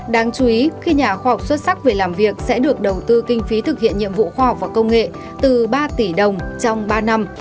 đáng chú ý khi nhà khoa học xuất sắc về làm việc sẽ được đầu tư kinh phí thực hiện nhiệm vụ khoa học và công nghệ từ ba tỷ đồng trong ba năm